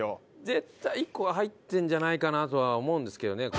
絶対１個は入ってるんじゃないかなとは思うんですけどね。